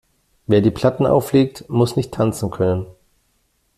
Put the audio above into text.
Wer die Platten auflegt, muss nicht tanzen können.